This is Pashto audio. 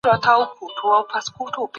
تل د حق غږ پورته کوئ.